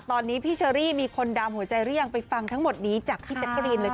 ตอนนี้พี่เชอรี่มีคนดามหัวใจหรือยังไปฟังทั้งหมดนี้จากพี่แจ๊กกะรีนเลยค่ะ